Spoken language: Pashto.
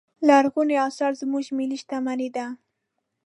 لرغوني اثار زموږ ملي شتمنې ده.